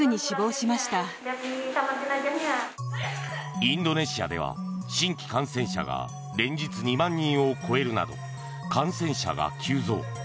インドネシアでは新規感染者が連日２万人を超えるなど感染者が急増。